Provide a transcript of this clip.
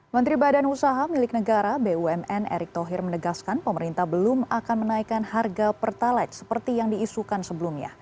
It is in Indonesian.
menteri badan usaha milik negara bumn erick thohir menegaskan pemerintah belum akan menaikkan harga pertalite seperti yang diisukan sebelumnya